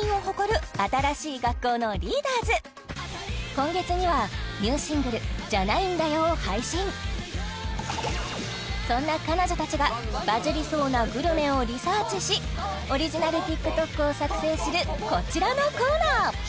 今月にはニューシングル「じゃないんだよ」を配信そんな彼女たちがバズりそうなグルメをリサーチしオリジナルＴｉｋＴｏｋを作成するこちらのコーナー